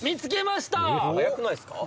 「早くないですか？」